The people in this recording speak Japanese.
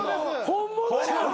本物やん！